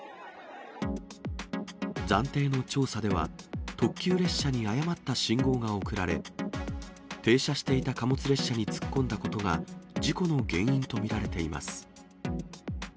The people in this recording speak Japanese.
暫定の調査では、特急列車に誤った信号が送られ、停車していた貨物列車に突っ込んだことが、事故の原因と見られています。